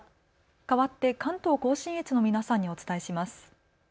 かわって関東甲信越の皆さんにお伝えします。